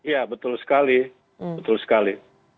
ya betul sekali betul sekali